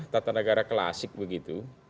tata negara klasik begitu